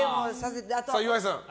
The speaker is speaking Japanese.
岩井さん。